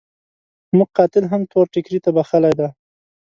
موږ قاتل هم تور ټکري ته بخښلی دی.